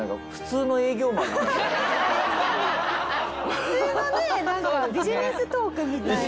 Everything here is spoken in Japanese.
普通のねビジネストークみたいな。